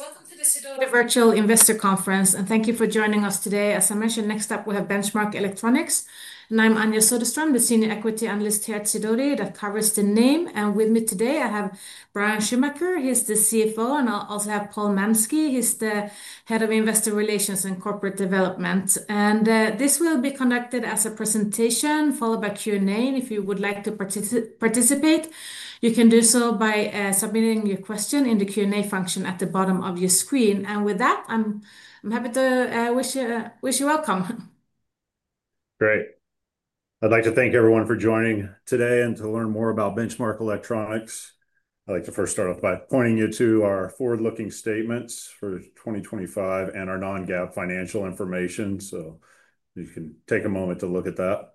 Welcome to the Sidoti Virtual Investor Conference, and thank you for joining us today. As I mentioned, next up we have Benchmark Electronics, and I'm Anja Soderstrom, the Senior Equity Analyst here at Sidoti that covers the name. With me today, I have Bryan Schumaker. He's the CFO, and I also have Paul Mansky. He's the Head of Investor Relations and Corporate Development. This will be conducted as a presentation followed by Q&A. If you would like to participate, you can do so by submitting your question in the Q&A function at the bottom of your screen. With that, I'm happy to wish you welcome. Great. I'd like to thank everyone for joining today and to learn more about Benchmark Electronics. I'd like to first start off by pointing you to our forward-looking statements for 2025 and our non-GAAP financial information. You can take a moment to look at that.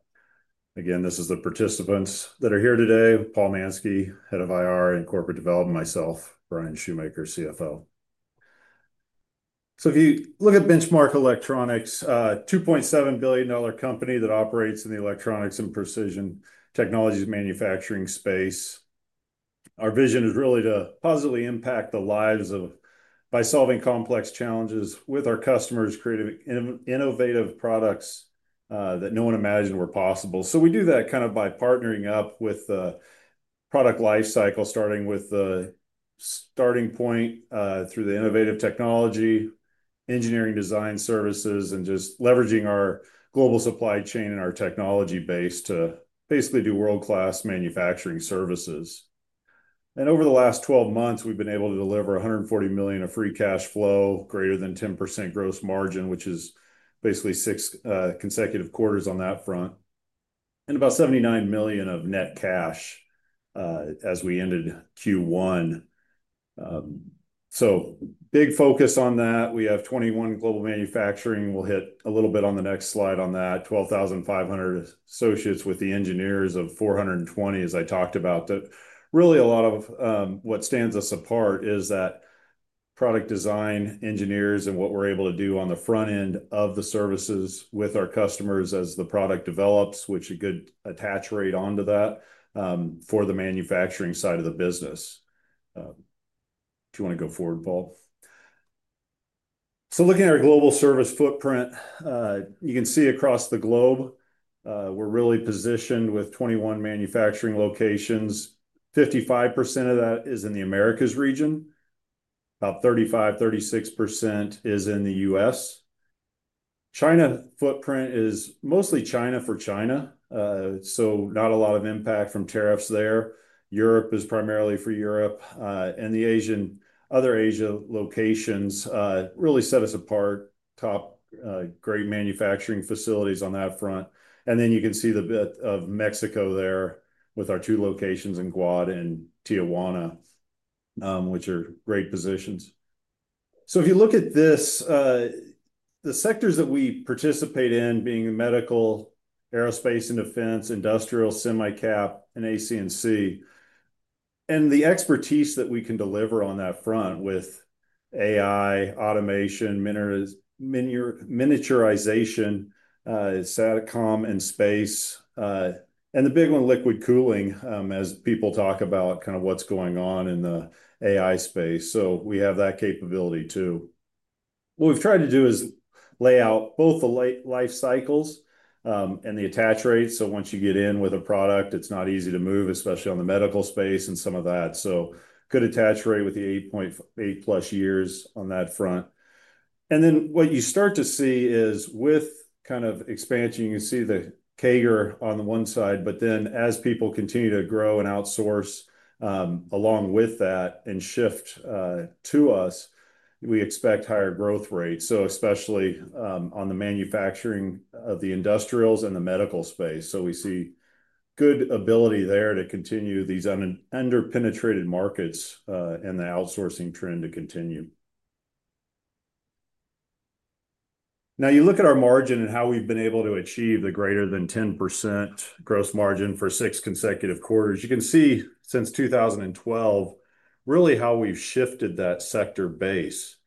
Again, this is the participants that are here today: Paul Mansky, Head of IR and Corporate Development; myself, Bryan Schumacher, CFO. If you look at Benchmark Electronics, a $2.7 billion company that operates in the electronics and precision technologies manufacturing space, our vision is really to positively impact the lives of by solving complex challenges with our customers, creating innovative products that no one imagined were possible. We do that kind of by partnering up with the product lifecycle, starting with the starting point through the innovative technology, engineering, design services, and just leveraging our global supply chain and our technology base to basically do world-class manufacturing services. Over the last 12 months, we've been able to deliver $140 million of free cash flow, greater than 10% gross margin, which is basically six consecutive quarters on that front, and about $79 million of net cash as we ended Q1. Big focus on that. We have 21 global manufacturing. We'll hit a little bit on the next slide on that: 12,500 associates with the engineers of 420, as I talked about. But really, a lot of what stands us apart is that product design engineers and what we're able to do on the front end of the services with our customers as the product develops, which is a good attach rate onto that for the manufacturing side of the business. Do you want to go forward, Paul? Looking at our global service footprint, you can see across the globe, we're really positioned with 21 manufacturing locations. 55% of that is in the Americas region. About 35%-36% is in the U.S. China footprint is mostly China for China, so not a lot of impact from tariffs there. Europe is primarily for Europe. The other Asia locations really set us apart: top great manufacturing facilities on that front. You can see the bit of Mexico there with our two locations in Guadalajara and Tijuana, which are great positions. If you look at this, the sectors that we participate in being medical, aerospace and defense, industrial, semi-cap, and AC&C, and the expertise that we can deliver on that front with AI, automation, miniaturization, satcom, and space, and the big one, liquid cooling, as people talk about kind of what's going on in the AI space. We have that capability too. What we've tried to do is lay out both the life cycles and the attach rates. Once you get in with a product, it's not easy to move, especially on the medical space and some of that. Good attach rate with the 8+ years on that front. What you start to see is with kind of expansion, you can see the CAGR on the one side, but then as people continue to grow and outsource along with that and shift to us, we expect higher growth rates. Especially on the manufacturing of the industrials and the medical space. We see good ability there to continue these under-penetrated markets and the outsourcing trend to continue. Now, you look at our margin and how we've been able to achieve the greater than 10% gross margin for six consecutive quarters. You can see since 2012, really how we've shifted that sector base.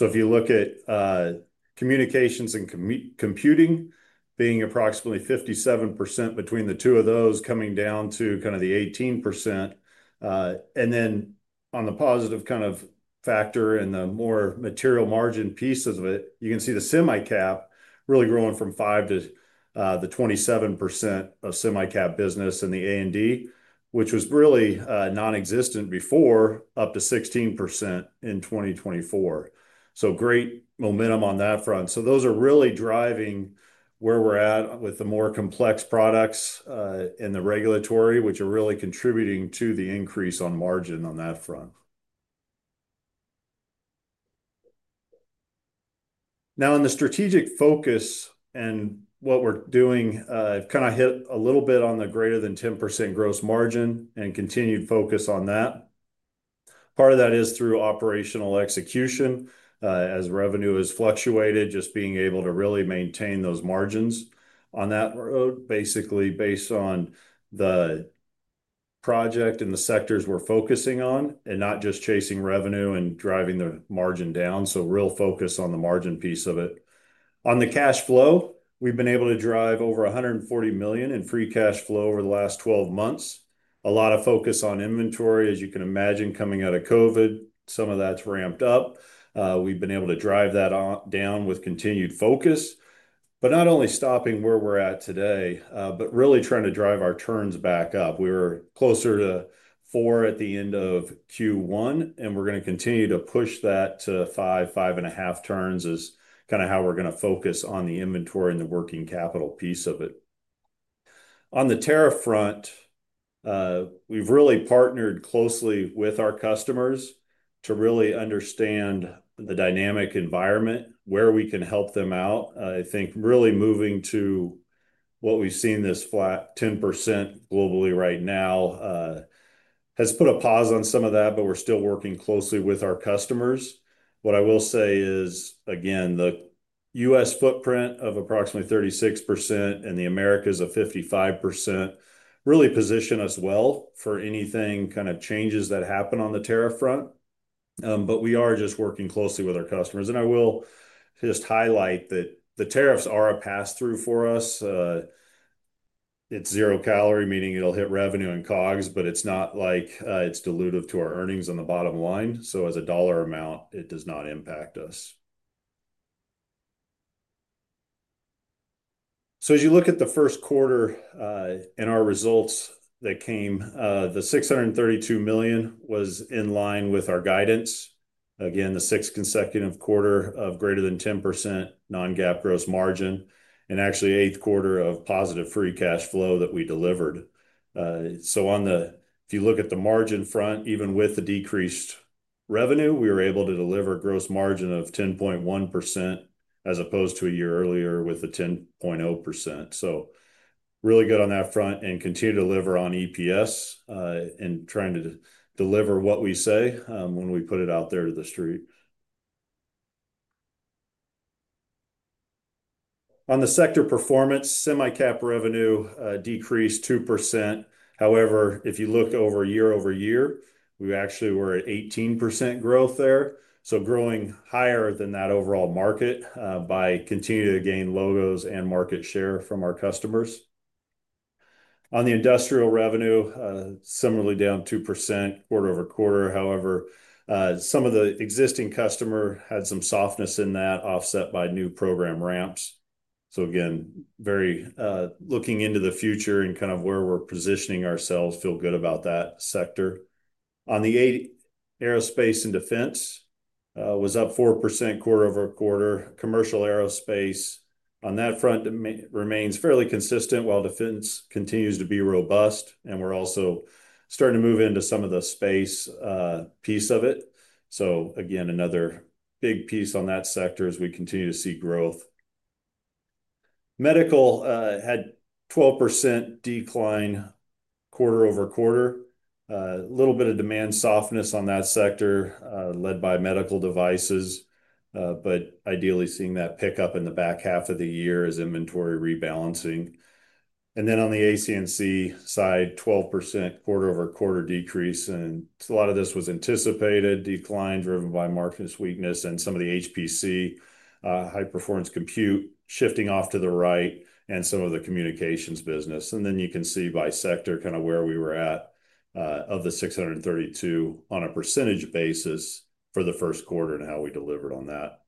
If you look at communications and computing being approximately 57% between the two of those, coming down to kind of the 18%. On the positive kind of factor and the more material margin pieces of it, you can see the semi-cap really growing from 5% to the 27% of semi-cap business and the A&D, which was really nonexistent before, up to 16% in 2024. Great momentum on that front. Those are really driving where we're at with the more complex products and the regulatory, which are really contributing to the increase on margin on that front. Now, in the strategic focus and what we're doing, I've kind of hit a little bit on the greater than 10% gross margin and continued focus on that. Part of that is through operational execution as revenue has fluctuated, just being able to really maintain those margins on that road, basically based on the project and the sectors we're focusing on and not just chasing revenue and driving the margin down. Real focus on the margin piece of it. On the cash flow, we've been able to drive over $140 million in free cash flow over the last 12 months. A lot of focus on inventory, as you can imagine, coming out of COVID. Some of that's ramped up. We've been able to drive that down with continued focus, but not only stopping where we're at today, but really trying to drive our turns back up. We were closer to four at the end of Q1, and we're going to continue to push that to five, five and a half turns is kind of how we're going to focus on the inventory and the working capital piece of it. On the tariff front, we've really partnered closely with our customers to really understand the dynamic environment, where we can help them out. I think really moving to what we've seen, this flat 10% globally right now has put a pause on some of that, but we're still working closely with our customers. What I will say is, again, the U.S. footprint of approximately 36% and the Americas of 55% really position us well for anything kind of changes that happen on the tariff front. We are just working closely with our customers. I will just highlight that the tariffs are a pass-through for us. It's zero calorie, meaning it'll hit revenue and COGS, but it's not like it's dilutive to our earnings on the bottom line. As a dollar amount, it does not impact us. As you look at the first quarter and our results that came, the $632 million was in line with our guidance. Again, the sixth consecutive quarter of greater than 10% non-GAAP gross margin and actually eighth quarter of positive free cash flow that we delivered. If you look at the margin front, even with the decreased revenue, we were able to deliver a gross margin of 10.1% as opposed to a year earlier with the 10.0%. Really good on that front and continue to deliver on EPS and trying to deliver what we say when we put it out there to the street. On the sector performance, semi-cap revenue decreased 2%. However, if you look over year-over-year, we actually were at 18% growth there. Growing higher than that overall market by continuing to gain logos and market share from our customers. On the industrial revenue, similarly down 2% quarter-over-quarter. However, some of the existing customers had some softness in that offset by new program ramps. So again, very looking into the future and kind of where we're positioning ourselves, feel good about that sector. On the aerospace and defense, was up 4% quarter-over-quarter. Commercial aerospace on that front remains fairly consistent while defense continues to be robust. And we're also starting to move into some of the space piece of it. So again, another big piece on that sector as we continue to see growth. Medical had 12% decline quarter-over-quarter. A little bit of demand softness on that sector led by medical devices, but ideally seeing that pick up in the back half of the year as inventory rebalancing. And then on the AC&C side, 12% quarter-over-quarter decrease. A lot of this was anticipated decline driven by markets weakness and some of the HPC, high-performance compute shifting off to the right and some of the communications business. You can see by sector kind of where we were at of the $632 million on a percentage basis for the first quarter and how we delivered on that.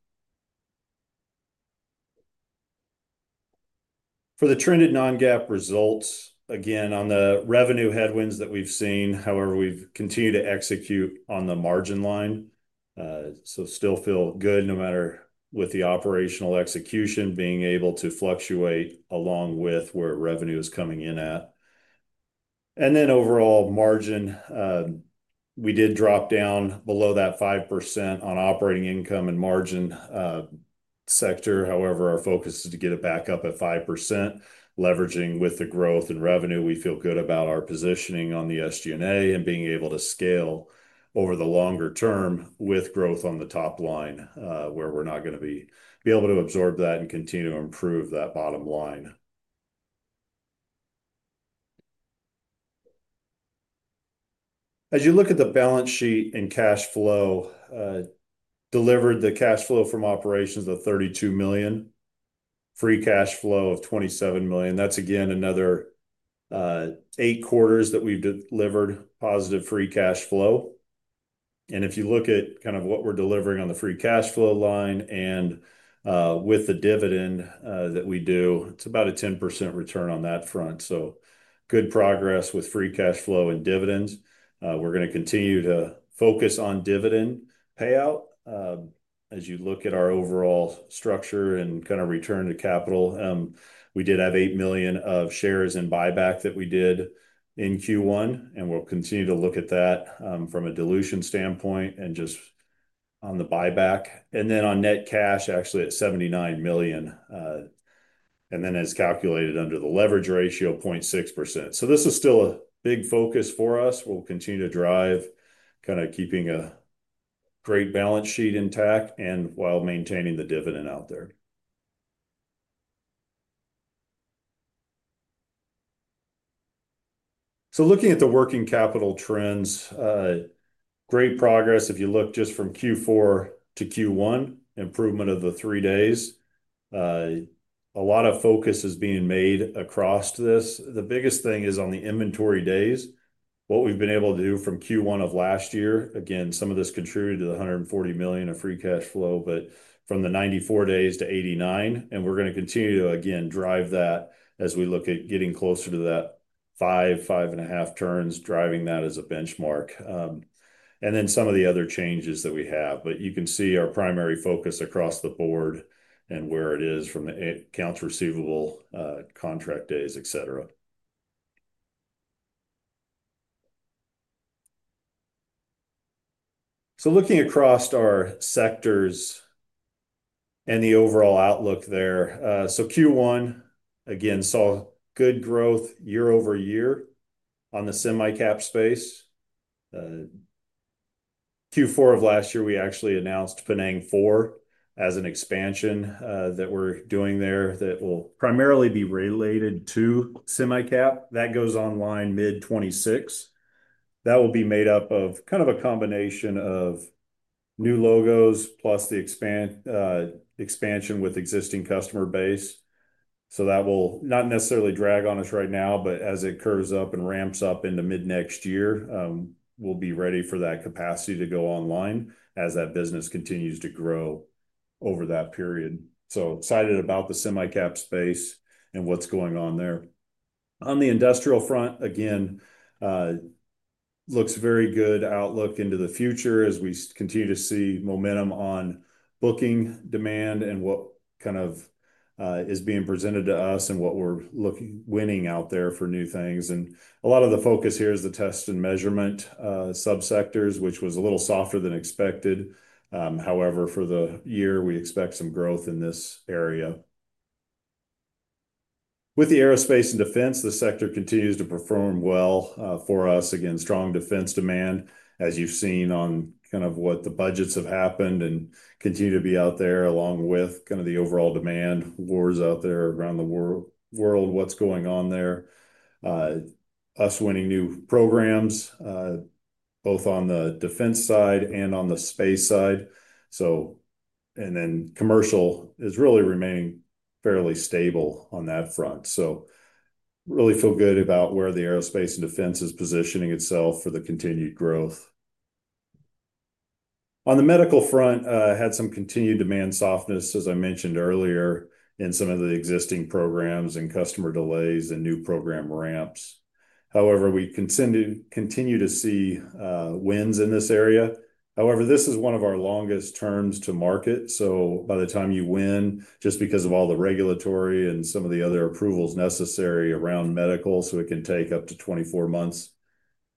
For the trended non-GAAP results, again, on the revenue headwinds that we've seen, however, we've continued to execute on the margin line. Still feel good no matter with the operational execution being able to fluctuate along with where revenue is coming in at. Overall margin, we did drop down below that 5% on operating income and margin sector. However, our focus is to get it back up at 5%, leveraging with the growth and revenue. We feel good about our positioning on the SG&A and being able to scale over the longer term with growth on the top line where we're not going to be able to absorb that and continue to improve that bottom line. As you look at the balance sheet and cash flow, delivered the cash flow from operations of $32 million, free cash flow of $27 million. That's again another eight quarters that we've delivered positive free cash flow. If you look at kind of what we're delivering on the free cash flow line and with the dividend that we do, it's about a 10% return on that front. Good progress with free cash flow and dividends. We're going to continue to focus on dividend payout. As you look at our overall structure and kind of return to capital, we did have $8 million of shares in buyback that we did in Q1, and we'll continue to look at that from a dilution standpoint and just on the buyback. On net cash, actually at $79 million. As calculated under the leverage ratio, 0.6%. This is still a big focus for us. We'll continue to drive kind of keeping a great balance sheet intact while maintaining the dividend out there. Looking at the working capital trends, great progress. If you look just from Q4 to Q1, improvement of three days. A lot of focus is being made across this. The biggest thing is on the inventory days, what we've been able to do from Q1 of last year. Again, some of this contributed to the $140 million of free cash flow, but from the 94 days to 89 days. We're going to continue to, again, drive that as we look at getting closer to that five, five and a half turns, driving that as a benchmark. Then some of the other changes that we have. You can see our primary focus across the board and where it is from the accounts receivable, contract days, etc. Looking across our sectors and the overall outlook there. Q1, again, saw good growth year over year on the semi-cap space. Q4 of last year, we actually announced Penang Four as an expansion that we're doing there that will primarily be related to semi-cap. That goes online mid-2026. That will be made up of kind of a combination of new logos plus the expansion with existing customer base. That will not necessarily drag on us right now, but as it curves up and ramps up into mid-next year, we'll be ready for that capacity to go online as that business continues to grow over that period. Excited about the semi-cap space and what's going on there. On the industrial front, again, looks very good outlook into the future as we continue to see momentum on booking demand and what kind of is being presented to us and what we're looking winning out there for new things. A lot of the focus here is the test and measurement subsectors, which was a little softer than expected. However, for the year, we expect some growth in this area. With the aerospace and defense, the sector continues to perform well for us. Again, strong defense demand, as you've seen on kind of what the budgets have happened and continue to be out there along with kind of the overall demand wars out there around the world, what's going on there. Us winning new programs, both on the defense side and on the space side. Commercial is really remaining fairly stable on that front. Really feel good about where the aerospace and defense is positioning itself for the continued growth. On the medical front, had some continued demand softness, as I mentioned earlier, in some of the existing programs and customer delays and new program ramps. However, we continue to see wins in this area. However, this is one of our longest terms to market. By the time you win, just because of all the regulatory and some of the other approvals necessary around medical, it can take up to 24 months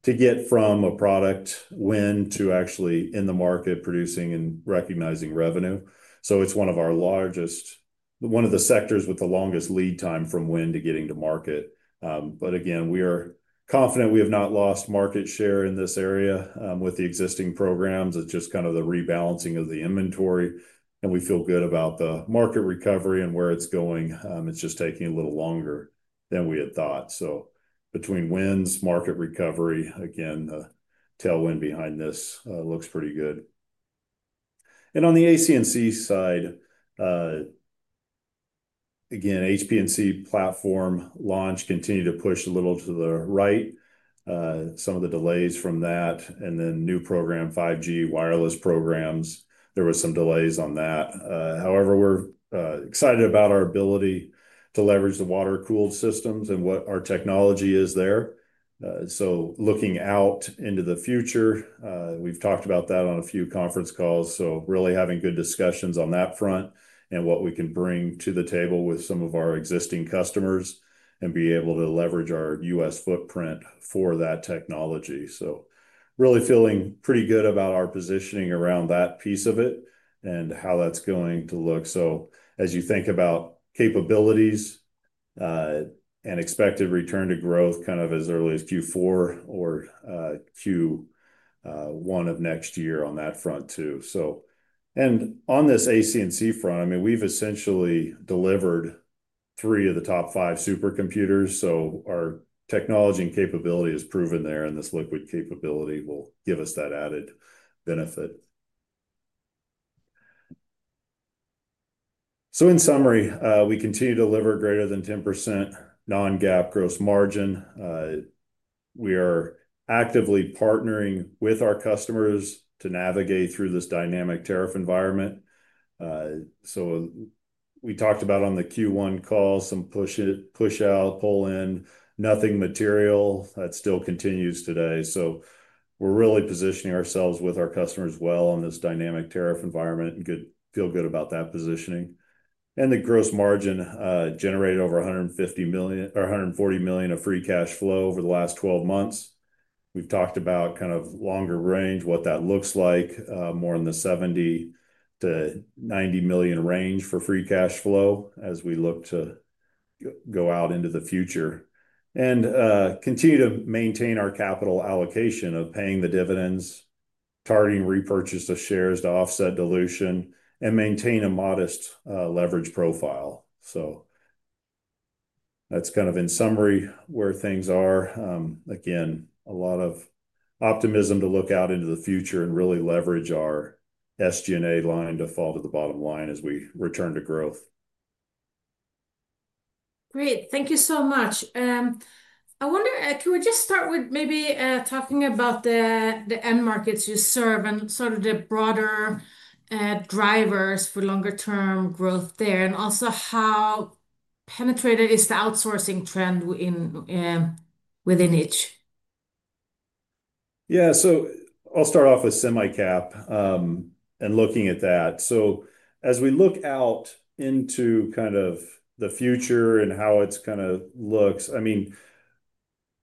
to get from a product win to actually in the market producing and recognizing revenue. It is one of our largest, one of the sectors with the longest lead time from win to getting to market. Again, we are confident we have not lost market share in this area with the existing programs. It is just kind of the rebalancing of the inventory. We feel good about the market recovery and where it is going. It is just taking a little longer than we had thought. Between wins, market recovery, again, the tailwind behind this looks pretty good. On the AC&C side, again, HP&C platform launch continued to push a little to the right. Some of the delays from that and then new program, 5G wireless programs. There were some delays on that. However, we're excited about our ability to leverage the water-cooled systems and what our technology is there. Looking out into the future, we've talked about that on a few conference calls. Really having good discussions on that front and what we can bring to the table with some of our existing customers and be able to leverage our U.S. footprint for that technology. Really feeling pretty good about our positioning around that piece of it and how that's going to look. As you think about capabilities and expected return to growth kind of as early as Q4 or Q1 of next year on that front too. On this AC&C front, I mean, we've essentially delivered three of the top five supercomputers. Our technology and capability is proven there and this liquid capability will give us that added benefit. In summary, we continue to deliver greater than 10% non-GAAP gross margin. We are actively partnering with our customers to navigate through this dynamic tariff environment. We talked about on the Q1 call, some push out, pull in, nothing material that still continues today. We are really positioning ourselves with our customers well on this dynamic tariff environment and feel good about that positioning. The gross margin generated over $140 million of free cash flow over the last 12 months. We have talked about kind of longer range, what that looks like, more in the $70 million-$90 million range for free cash flow as we look to go out into the future. We continue to maintain our capital allocation of paying the dividends, targeting repurchase of shares to offset dilution, and maintain a modest leverage profile. That is kind of in summary where things are. Again, a lot of optimism to look out into the future and really leverage our SG&A line to fall to the bottom line as we return to growth. Great. Thank you so much. I wonder, can we just start with maybe talking about the end markets you serve and sort of the broader drivers for longer-term growth there and also how penetrated is the outsourcing trend within each? Yeah. I will start off with semi-cap and looking at that. As we look out into kind of the future and how it kind of looks, I mean,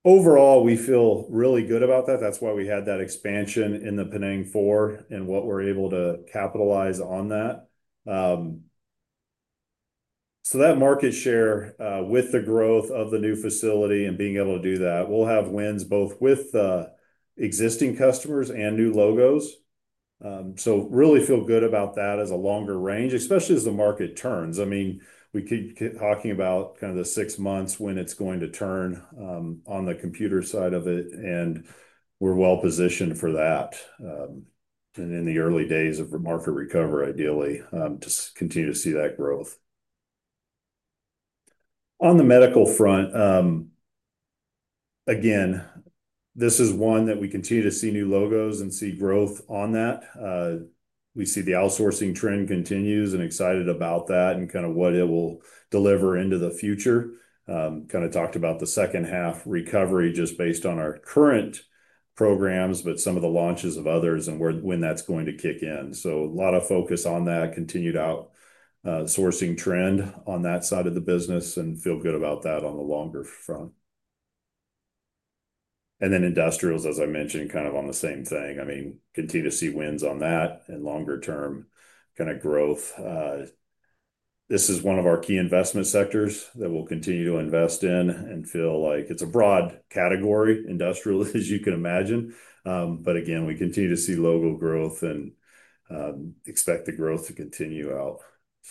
overall, we feel really good about that. That's why we had that expansion in the Penang Four and what we're able to capitalize on that. That market share with the growth of the new facility and being able to do that, we'll have wins both with existing customers and new logos. I really feel good about that as a longer range, especially as the market turns. I mean, we keep talking about kind of the six months when it's going to turn on the computer side of it, and we're well positioned for that. In the early days of market recovery, ideally, to continue to see that growth. On the medical front, again, this is one that we continue to see new logos and see growth on that. We see the outsourcing trend continues and excited about that and kind of what it will deliver into the future. Kind of talked about the second-half recovery just based on our current programs, but some of the launches of others and when that's going to kick in. A lot of focus on that continued outsourcing trend on that side of the business and feel good about that on the longer front. Industrials, as I mentioned, kind of on the same thing. I mean, continue to see wins on that and longer-term kind of growth. This is one of our key investment sectors that we'll continue to invest in and feel like it's a broad category, industrial, as you can imagine. Again, we continue to see local growth and expect the growth to continue out.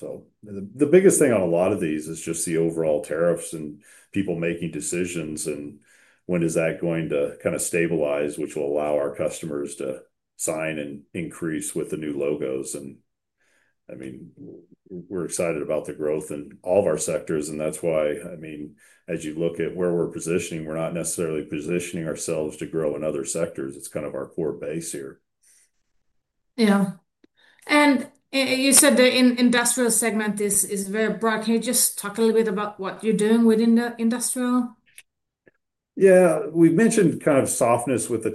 The biggest thing on a lot of these is just the overall tariffs and people making decisions and when is that going to kind of stabilize, which will allow our customers to sign and increase with the new logos. I mean, we're excited about the growth in all of our sectors. That is why, as you look at where we're positioning, we're not necessarily positioning ourselves to grow in other sectors. It is kind of our core base here. Yeah. You said the industrial segment is very broad. Can you just talk a little bit about what you're doing within the industrial? Yeah. We've mentioned kind of softness with the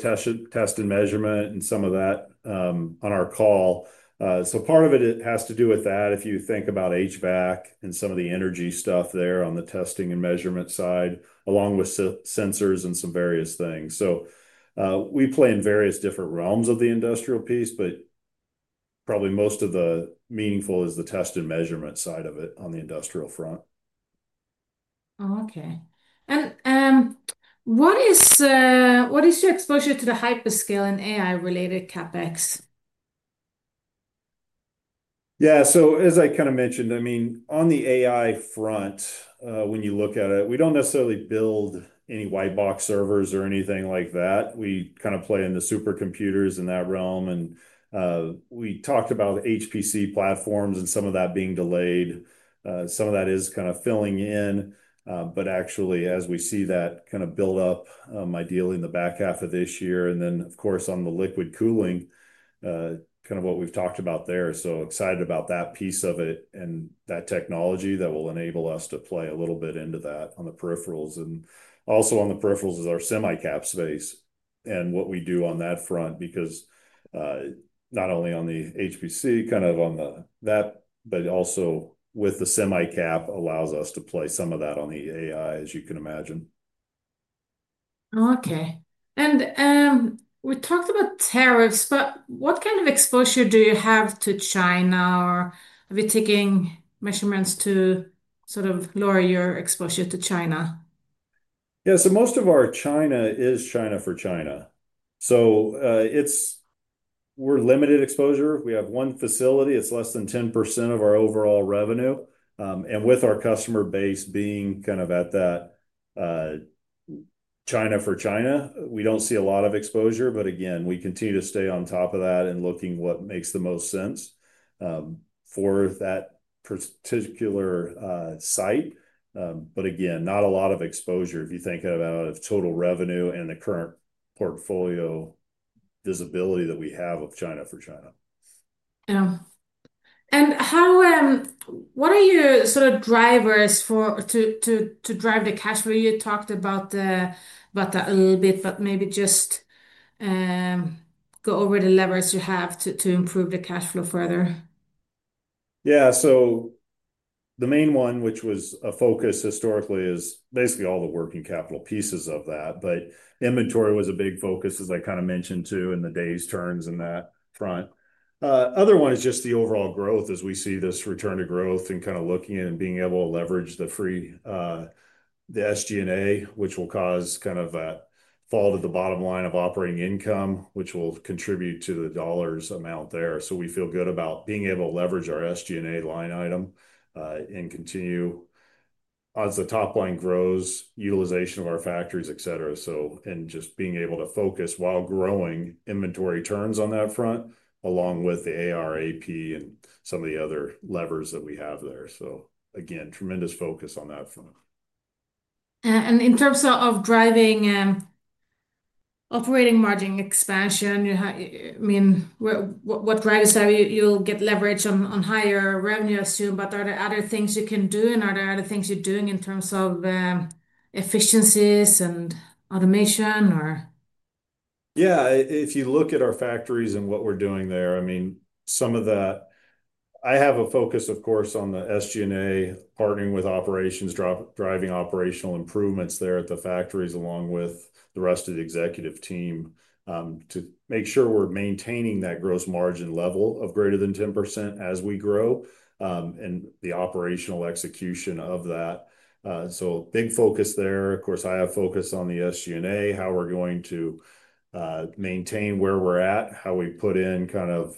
test and measurement and some of that on our call. Part of it has to do with that. If you think about HVAC and some of the energy stuff there on the testing and measurement side, along with sensors and some various things. We play in various different realms of the industrial piece, but probably most of the meaningful is the test and measurement side of it on the industrial front. Okay. What is your exposure to the hyperscale and AI-related CapEx? Yeah. As I kind of mentioned, I mean, on the AI front, when you look at it, we do not necessarily build any white-box servers or anything like that. We kind of play in the supercomputers in that realm. We talked about HPC platforms and some of that being delayed. Some of that is kind of filling in, but actually, as we see that kind of build up, ideally in the back half of this year. On the liquid cooling, kind of what we've talked about there. Excited about that piece of it and that technology that will enable us to play a little bit into that on the peripherals. Also on the peripherals is our semi-cap space and what we do on that front because not only on the HPC, kind of on that, but also with the semi-cap allows us to play some of that on the AI, as you can imagine. Okay. We talked about tariffs, but what kind of exposure do you have to China? Are we taking measurements to sort of lower your exposure to China? Yeah. Most of our China is China for China. We have limited exposure. We have one facility. It is less than 10% of our overall revenue. With our customer base being kind of at that China for China, we do not see a lot of exposure. Again, we continue to stay on top of that and looking at what makes the most sense for that particular site. Again, not a lot of exposure if you think about it of total revenue and the current portfolio visibility that we have of China for China. Yeah. What are your sort of drivers to drive the cash flow? You talked about that a little bit, but maybe just go over the levers you have to improve the cash flow further. Yeah. The main one, which was a focus historically, is basically all the working capital pieces of that. Inventory was a big focus, as I kind of mentioned too, and the days turns in that front. Other one is just the overall growth as we see this return to growth and kind of looking at it and being able to leverage the SG&A, which will cause kind of a fall to the bottom line of operating income, which will contribute to the dollar amount there. We feel good about being able to leverage our SG&A line item and continue as the top line grows, utilization of our factories, etc. Just being able to focus while growing inventory turns on that front along with the AR, AP, and some of the other levers that we have there. Again, tremendous focus on that front. In terms of driving operating margin expansion, I mean, what drivers are you? You'll get leverage on higher revenue, I assume, but are there other things you can do? Are there other things you're doing in terms of efficiencies and automation, or? Yeah. If you look at our factories and what we're doing there, I mean, some of that I have a focus, of course, on the SG&A, partnering with operations, driving operational improvements there at the factories along with the rest of the executive team to make sure we're maintaining that gross margin level of greater than 10% as we grow and the operational execution of that. Big focus there. Of course, I have focus on the SG&A, how we're going to maintain where we're at, how we put in kind of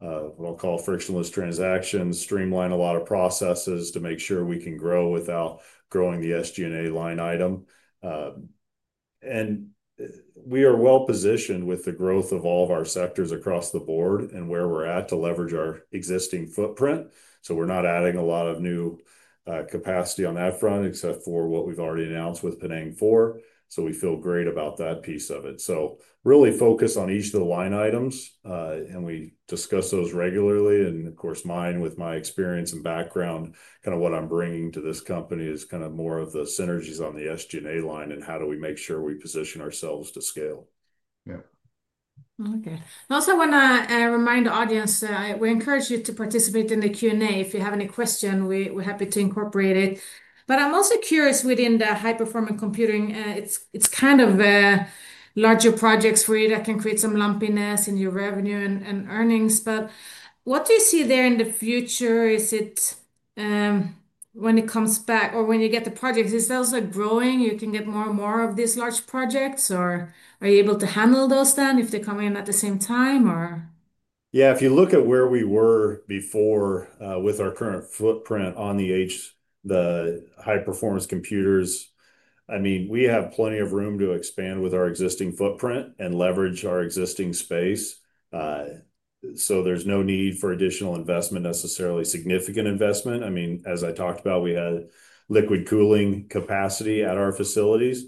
what I'll call frictionless transactions, streamline a lot of processes to make sure we can grow without growing the SG&A line item. We are well positioned with the growth of all of our sectors across the board and where we are at to leverage our existing footprint. We are not adding a lot of new capacity on that front except for what we have already announced with Penang Four. We feel great about that piece of it. We really focus on each of the line items. We discuss those regularly. Of course, mine, with my experience and background, kind of what I am bringing to this company is kind of more of the synergies on the SG&A line and how do we make sure we position ourselves to scale. Yeah. Okay. I also want to remind the audience, we encourage you to participate in the Q&A. If you have any question, we are happy to incorporate it. I'm also curious within the high-performance computing, it's kind of larger projects for you that can create some lumpiness in your revenue and earnings. What do you see there in the future? Is it when it comes back or when you get the projects, is it also growing? You can get more and more of these large projects, or are you able to handle those then if they're coming in at the same time, or? Yeah. If you look at where we were before with our current footprint on the high-performance computers, I mean, we have plenty of room to expand with our existing footprint and leverage our existing space. There's no need for additional investment, necessarily significant investment. I mean, as I talked about, we had liquid cooling capacity at our facilities.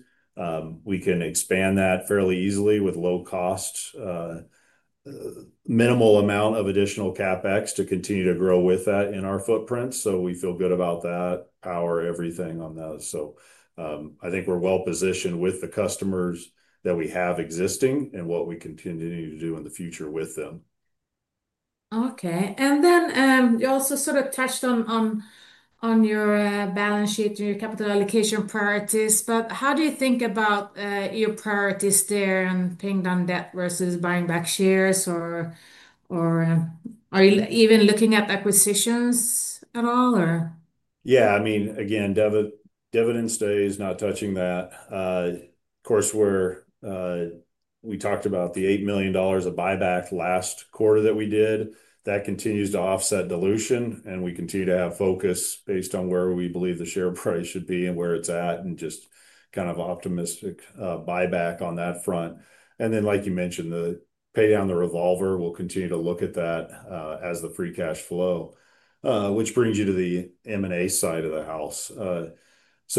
We can expand that fairly easily with low cost, minimal amount of additional CapEx to continue to grow with that in our footprint. We feel good about that power, everything on that. I think we are well positioned with the customers that we have existing and what we continue to do in the future with them. Okay. You also sort of touched on your balance sheet and your capital allocation priorities. How do you think about your priorities there and paying down debt versus buying back shares, or are you even looking at acquisitions at all, or? Yeah. I mean, again, dividend stays, not touching that. Of course, we talked about the $8 million of buyback last quarter that we did. That continues to offset dilution. We continue to have focus based on where we believe the share price should be and where it's at and just kind of optimistic buyback on that front. Like you mentioned, the pay down the revolver, we'll continue to look at that as the free cash flow, which brings you to the M&A side of the house.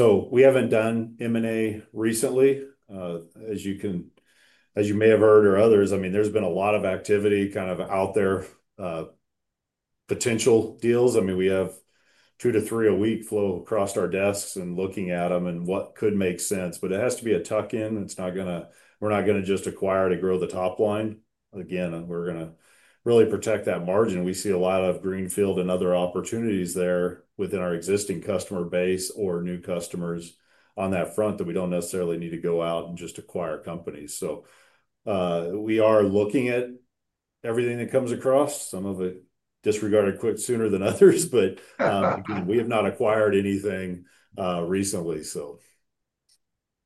We haven't done M&A recently. As you may have heard or others, I mean, there's been a lot of activity kind of out there, potential deals. I mean, we have two to three a week flow across our desks and looking at them and what could make sense. It has to be a tuck-in. It's not going to we're not going to just acquire to grow the top line. Again, we're going to really protect that margin. We see a lot of greenfield and other opportunities there within our existing customer base or new customers on that front that we do not necessarily need to go out and just acquire companies. We are looking at everything that comes across. Some of it is disregarded quicker than others, but we have not acquired anything recently.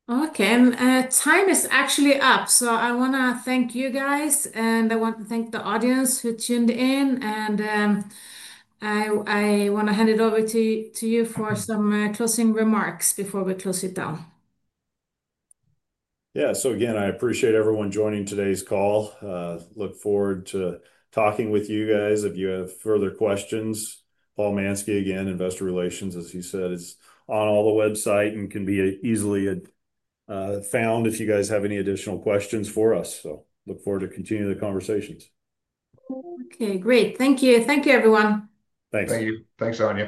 Okay. Time is actually up. I want to thank you guys. I want to thank the audience who tuned in. I want to hand it over to you for some closing remarks before we close it down. Yeah. Again, I appreciate everyone joining today's call. Look forward to talking with you guys. If you have further questions, Paul Mansky, again, investor relations, as he said, is on the website and can be easily found if you guys have any additional questions for us. Look forward to continuing the conversations. Okay. Great. Thank you. Thank you, everyone. Thanks. Thank you. Thanks, Arvind.